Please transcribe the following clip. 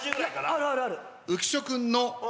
あるあるある。